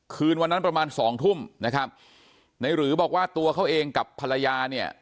คืนวันนั้นประมาณสองทุ่มนะครับในหรือบอกว่าตัวเขาเองกับภรรยาเนี่ย